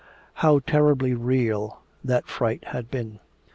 How terribly real that fright had been!